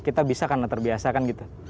kita bisa karena terbiasa kan gitu